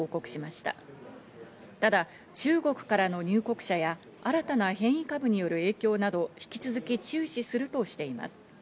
ただ、中国からの入国者や、新たな変異株による影響など引き続き注視するとしています。